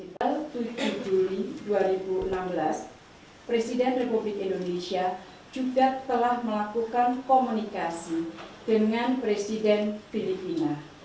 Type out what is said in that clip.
pada tanggal tujuh juli dua ribu enam belas presiden republik indonesia juga telah melakukan komunikasi dengan presiden filipina